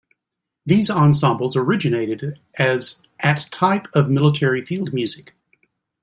These ensembles originated as at type of military field music.